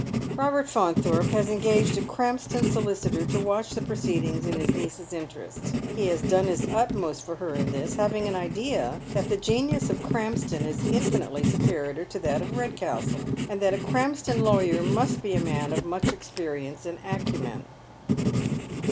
Eobert Faunthorpe has engaged a Krampston sohcitor to watch the proceedings in his niece's interest. He has done his utmost for her in this, haAang an idea that the genius of Kj ampston is infinitely superior to that of Eedcastle, and that a Ej ampston lawyer must lie a man of much experience and acumen.